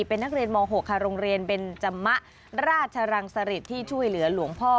เป็นนักเรียนม๖ค่ะโรงเรียนเบนจมะราชรังสริตที่ช่วยเหลือหลวงพ่อ